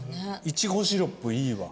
イチゴシロップいいわ。